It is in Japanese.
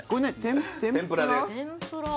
天ぷらです